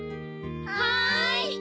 はい。